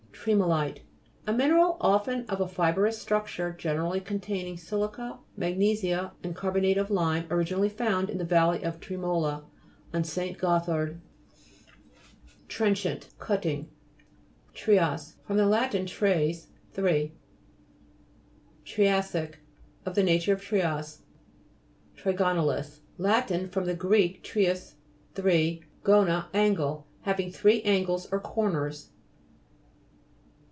TRE'MOLITE A mineral, often of a fibrous structure, generally contain ing si'lica, magnesia, and carbonate of lime, originally found in the valley of Tremola on St. Gothard. TRENCHANT Cutting. TRIAS fr. lat. tres, three (p. 49). TRIA'SSIC Of the nature of trias. TRIGONA'LIS Lat. fr. gr. treis, three, gonia, angle. Having three angles or corners.